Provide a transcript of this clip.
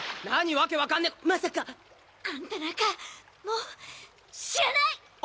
何訳分かんねまさかあんたなんかもう知らない！